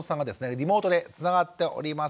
リモートでつながっております。